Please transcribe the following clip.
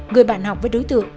người bạn học với đối tượng